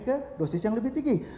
ke dosis yang lebih tinggi